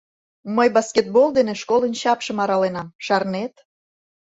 Мый баскетбол дене школын чапшым араленам, шарнет?